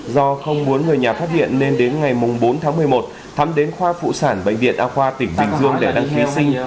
do không muốn người nhà phát hiện nên đến ngày bốn tháng một mươi một thắm đến khoa phụ sản bệnh viện a khoa tỉnh bình dương để đăng ký sinh